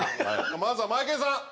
まずはマエケンさん。